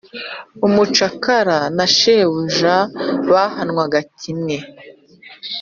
Umucakara na shebuja bahanwaga kimwe,